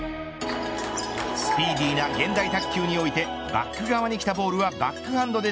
スピーディーな現代卓球においてバック側にきたボールはバックハンドで